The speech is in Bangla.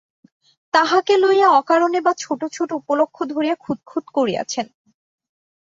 তাহাকে লইয়া অকারণে বা ছোটো ছোটো উপলক্ষ ধরিয়া খুঁতখুঁত করিয়াছেন।